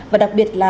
và đặc biệt là